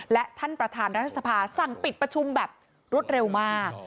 และท่านประธานรัฐสภาสั่งปิดประชุมแบบรวดเร็วมาก